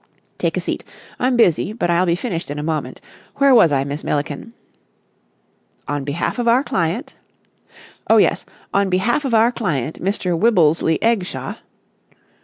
"Take a seat. I'm busy, but I'll be finished in a moment. Where was I, Miss Milliken?" "'On behalf of our client....'" "Oh, yes. On behalf of our client Mr. Wibblesley Eggshaw....